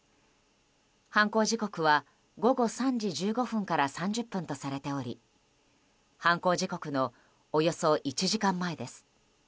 犯行時刻は午後３時１５分から３０分とされており犯行時刻のおよそ１時間前です。